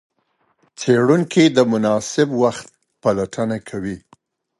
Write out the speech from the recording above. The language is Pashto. څېړونکي د مناسب وخت پلټنه کوي.